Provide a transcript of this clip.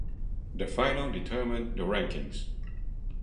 The final determined the rankings.